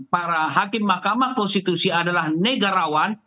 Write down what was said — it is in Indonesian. para hakim mahkamah konstitusi adalah negarawan